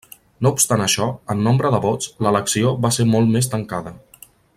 No obstant això, en nombre de vots, l'elecció va ser molt més tancada.